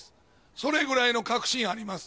それぐらいの確信あります。